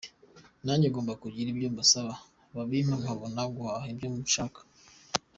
nanjye ngomba kugira ibyo mbasaba, mwabimpa nkabona kubaha ibyo mushaka.